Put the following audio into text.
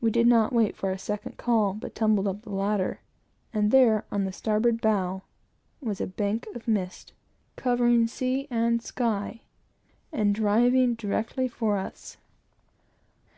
We did not wait for a second call, but tumbled up the ladder; and there, on the starboard bow, was a bank of mist, covering sea and sky, and driving directly for us.